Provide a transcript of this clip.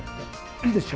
いいでしょ。